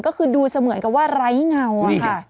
ก็คือดูเสมือนกับว่าไร้เงาอะค่ะ